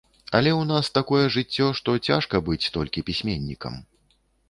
Але ў нас такое жыццё, што цяжка быць толькі пісьменнікам.